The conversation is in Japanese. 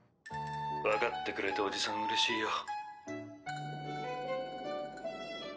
分かってくれておじさんうれしいよ。